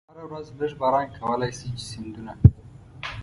هره ورځ لږ باران کولای شي چې سیندونه.